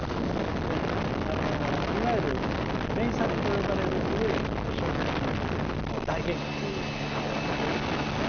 いわゆる名作と呼ばれる古い小説にも大元気という単語が出てきますね。